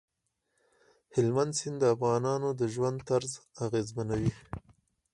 هلمند سیند د افغانانو د ژوند طرز اغېزمنوي.